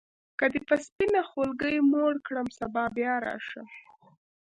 که دي په سپینه خولګۍ موړ کړم سبا بیا راشم.